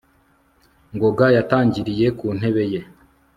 Laura yatangiriye ku ntebe ye